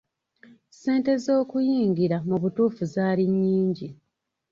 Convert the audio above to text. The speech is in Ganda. Ssente z'okuyingira mu butuufu zaali nnyingi.